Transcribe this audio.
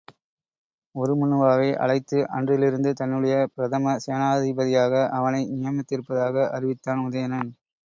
உருமண்ணுமாவை அழைத்து அன்றிலிருந்து தன்னுடைய பிரதம சேனாபதியாக அவனை நியமித்திருப்பதாக அறிவித்தான் உதயணன்.